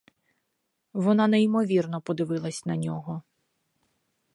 Вона неймовірно подивилась на нього.